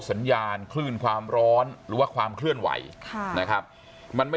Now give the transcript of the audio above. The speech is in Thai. สัญญาณคลื่นความร้อนหรือว่าความเคลื่อนไหวค่ะนะครับมันไม่